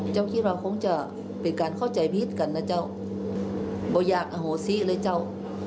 คิดว่าคงจะเป็นการเข้าใจผิดกันนะเจ้าบ่อยากอโหสิเลยเจ้า